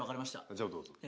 じゃあどうぞ。